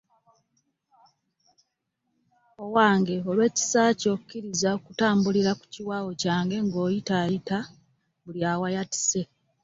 Owange olw'ekisa kyo, kkiriza okutambulira ku kiwaawo kyange, nga oyitayita buli awayatise.